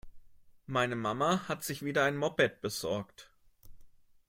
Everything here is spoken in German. Meine Mama hat sich wieder ein Moped besorgt.